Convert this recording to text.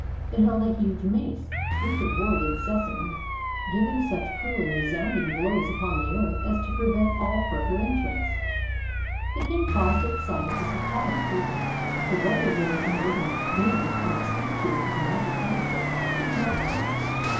It held a huge mace, which it whirled incessantly, giving such cruel and resounding blows upon the earth as to prevent all further entrance. The king paused at sight of this appalling figure, for whether it were a living being, or a statue of magic arti fice, he could not tell.